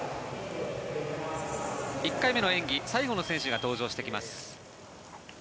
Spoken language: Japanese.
１回目の演技、最後の選手が登場してきます。